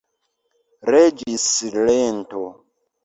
Regis silento.